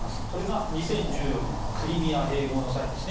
それが２０１４年のクリミア併合の際